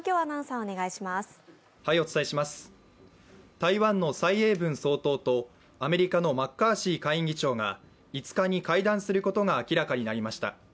台湾の蔡英文総統とアメリカのマッカーシー下院議長が５日に会談することが明らかになりました。